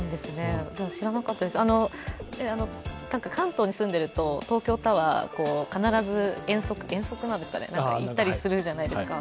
知らなかったです、関東に住んでいると東京タワー、必ず遠足なんですかね行ったりするじゃないですか。